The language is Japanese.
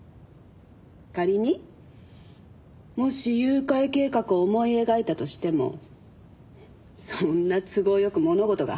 仮にもし誘拐計画を思い描いたとしてもそんな都合良く物事が運ぶと思います？